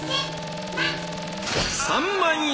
３万円！